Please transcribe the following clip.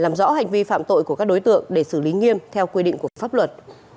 làm rõ hành vi phạm tội của các đối tượng để xử lý nghiêm theo quy định của pháp luật